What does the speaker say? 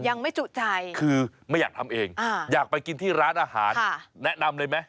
ยังไม่จุใจคือไม่อยากทำเองอยากไปกินที่ร้านอาหารแนะนำเลยไหม